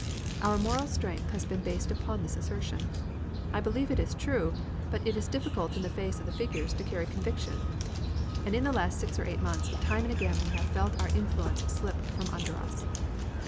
Our moral strength has been based upon this assertion. I believe it is true, but it is difficult in the face of the figures to carry conviction. And in the last six or eight months time and again we have felt our influence slip from under us."